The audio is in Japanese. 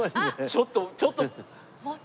ちょっとちょっと。